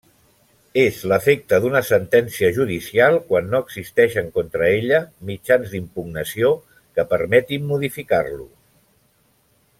És l'efecte d'una sentència judicial quan no existeixen contra ella mitjans d'impugnació que permetin modificar-lo.